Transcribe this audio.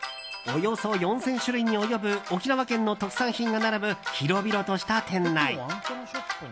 およそ４０００種類に及ぶ沖縄県の特産品が並ぶ広々とした店内。